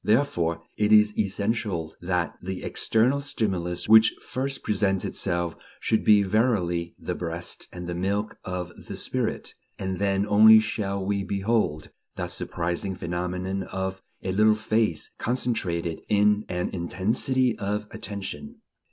Therefore it is essential that the external stimulus which first presents itself should be verily the breast and the milk of the spirit, and then only shall we behold that surprising phenomenon of a little face concentrated in an intensity of attention.